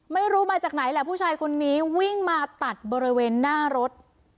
ไม่รู้มาจากไหนแหละผู้ชายคนนี้วิ่งมาตัดบริเวณหน้ารถ